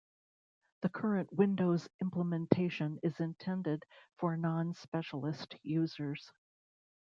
The current Windows implementation is intended for non-specialist users.